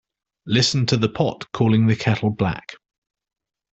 Listen to the pot calling the kettle black.